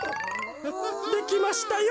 できましたよ。